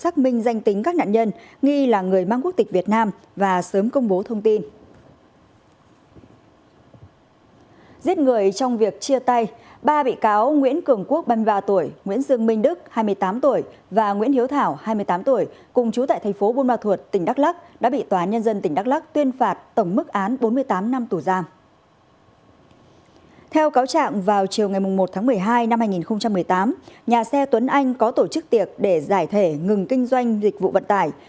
theo cáo trạng vào chiều ngày một tháng một mươi hai năm hai nghìn một mươi tám nhà xe tuấn anh có tổ chức tiệc để giải thể ngừng kinh doanh dịch vụ vận tải